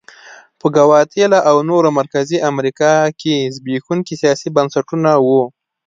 په ګواتیلا او نورو مرکزي امریکا کې زبېښونکي سیاسي بنسټونه وو.